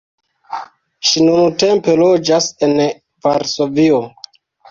Ŝi nuntempe loĝas en Varsovio.